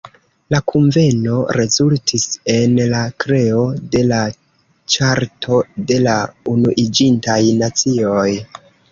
La kunveno rezultis en la kreo de la Ĉarto de la Unuiĝintaj Nacioj.